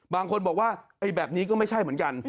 บางคนบอกว่าแบบนี้ก็ไม่ใช่เหมือนกัน